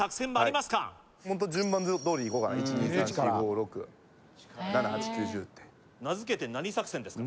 ホント順番どおりいこうかな１２３４５６７８９１０って名付けて何作戦ですか？